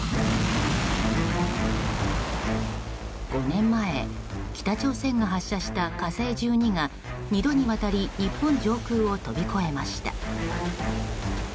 ５年前北朝鮮が発射した「火星１２」が２度にわたり日本上空を飛び越えました。